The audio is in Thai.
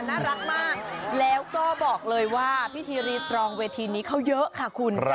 น่ารักมากแล้วก็บอกเลยว่าพิธีรีตรองเวทีนี้เขาเยอะค่ะคุณ